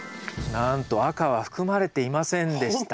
なんと赤は含まれていませんでした。